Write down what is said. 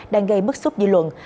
đang gây bức xúc dư luận